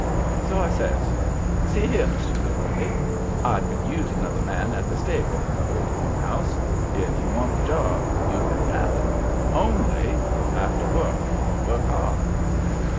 So I says: "See here, Mr. Blueworthy, I could use another man in the stable at the Old Home House. If you want the job you can have it. ONLY, you'll have to work, and work hard."